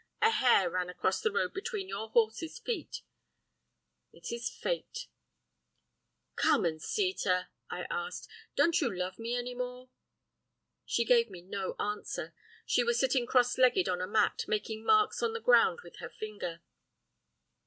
A hare ran across the road between your horse's feet. It is fate.' "'Carmencita,' I asked, 'don't you love me any more?' "She gave me no answer, she was sitting cross legged on a mat, making marks on the ground with her finger.